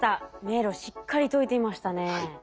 迷路しっかり解いていましたね。